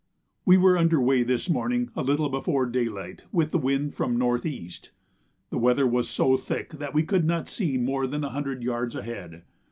We were under weigh this morning a little before daylight with the wind from N.E. The weather was so thick that we could not see more than a hundred yards ahead.